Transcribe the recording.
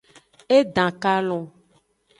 E dan kalon.